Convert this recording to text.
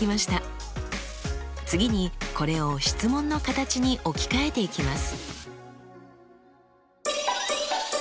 次にこれを質問の形に置き換えていきます。